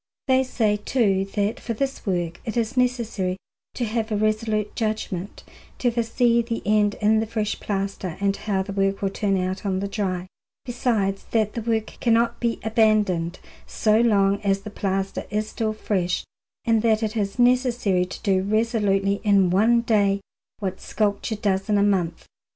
They say, too, that for this work it is necessary to have a resolute judgment, to foresee the end in the fresh plaster and how the work will turn out on the dry; besides that the work cannot be abandoned so long as the plaster is still fresh, and that it is necessary to do resolutely in one day what sculpture does in a month.